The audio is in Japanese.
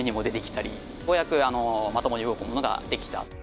ようやくまともに動くものができた。